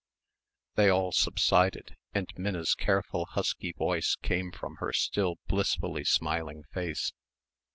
They all subsided and Minna's careful husky voice came from her still blissfully smiling face.